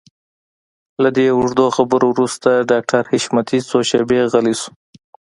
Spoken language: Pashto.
له دې اوږدو خبرو وروسته ډاکټر حشمتي څو شېبې غلی شو.